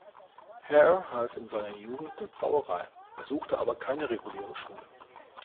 Hare half in seiner Jugend in der Brauerei, besuchte aber keine reguläre Schule.